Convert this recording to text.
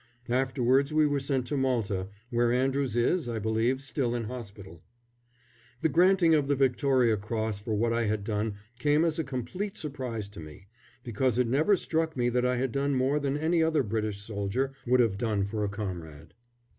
Afterwards we were sent to Malta, where Andrews is, I believe, still in hospital. The granting of the Victoria Cross for what I had done came as a complete surprise to me, because it never struck me that I had done more than any other British soldier would have done for a comrade.